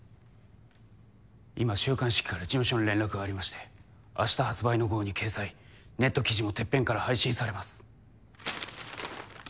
今週刊四季から事務所に連絡がありまして明日発売の号に掲載ネット記事もてっぺんから配信されます。